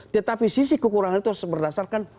tetapi sisi kekurangan itu harus berdasarkan